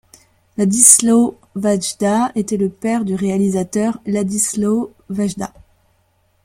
Ladislaus Vajda était le père du réalisateur Ladislao Vajda.